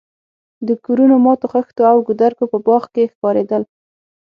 د کورونو ماتو خښتو او کودرکو په باغ کې ښکارېدل.